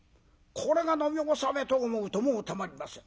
これが飲み納めと思うともう止まりません。